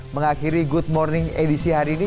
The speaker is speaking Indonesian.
mengakhiri good morning edisi hari ini